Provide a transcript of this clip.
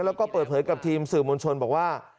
แล้วก็เปิดเผยกับทีมสื่อมวลชนบอกว่า